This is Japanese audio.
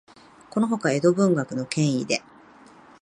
このほか、江戸文学の権威で、